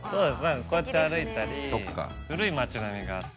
こうやって歩いたり古い町並みがあって。